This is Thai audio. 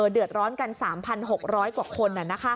เดือดร้อนกัน๓๖๐๐กว่าคน